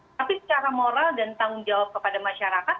tapi secara moral dan tanggung jawab kepada masyarakat